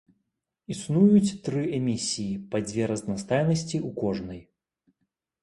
Існуюць тры эмісіі па дзве разнастайнасці ў кожнай.